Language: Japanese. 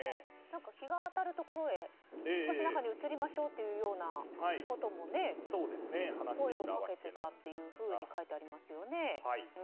日が当たるところへ中に移りましょうと声をかけていたというふうに書いてありますよね。